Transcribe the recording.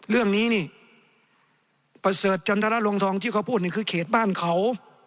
เรื่องนี้นี่ประเสริฐจันทรรงทองที่เขาพูดนี่คือเขตบ้านเขา